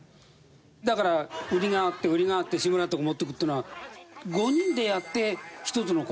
だからフリがあってフリがあって志村のとこ持っていくっていうのは５人でやって１つのコントだから。